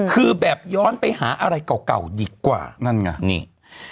คือแบบย้อนไปหาอะไรเก่าดีกว่านั่นไงนี่